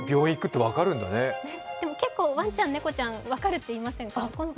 結構、ワンちゃん、猫ちゃん分かるっていいませんか？